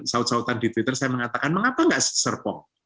saut sautan di twitter saya mengatakan mengapa nggak serpong